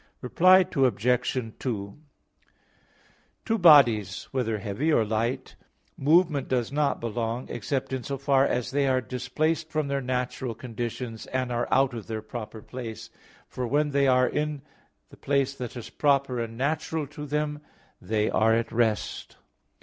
Reply Obj. 2: To bodies, whether heavy or light, movement does not belong, except in so far as they are displaced from their natural conditions, and are out of their proper place; for when they are in the place that is proper and natural to them, then they are at rest.